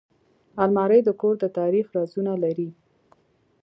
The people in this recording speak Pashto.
الماري د کور د تاریخ رازونه لري